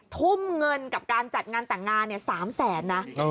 ทุ่มเงินกับการจัดงานแต่งงาน๓แสนนะ